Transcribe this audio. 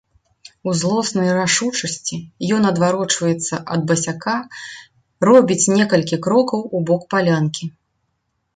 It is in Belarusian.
У злоснай рашучасці ён адварочваецца ад басяка, робіць некалькі крокаў у бок палянкі.